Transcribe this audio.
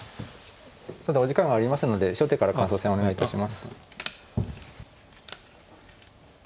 さてお時間がありますので初手から感想戦をお願いいたします。